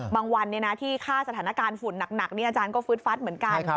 วันที่ค่าสถานการณ์ฝุ่นหนักนี่อาจารย์ก็ฟืดฟัดเหมือนกัน